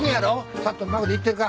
ちゃんとうまいこといってるか？